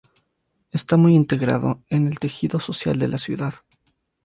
Está muy integrado en el tejido social de la ciudad.